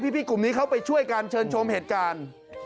พี่กลุ่มนี้เขาไปช่วยกันเชิญชมเหตุการณ์